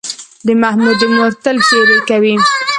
د محمود مور تل ښېرې کوي.